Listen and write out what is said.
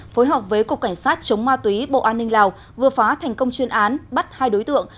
phối hợp với cục cảnh sát chống ma túy bộ an ninh lào vừa phá thành công chuyên án bắt hai đối tượng